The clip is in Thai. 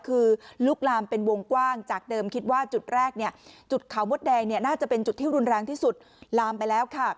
คือลุกลามเป็นวงกว้างจากเดิมคิดว่าจุดแรกเนี่ยจุดเขามดแดงเนี่ยน่าจะเป็นจุดที่รุนแรงที่สุดลามไปแล้วค่ะ